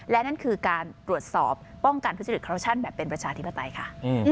และนั่นคือการตรวจสอบป้องกันทุจริตคอรัปชั่นแบบเป็นประชาธิปไตยค่ะ